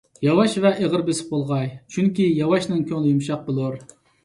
ياۋاش ۋە ئېغىر - بېسىق بولغاي، چۈنكى ياۋاشنىڭ كۆڭلى يۇمشاق بولۇر.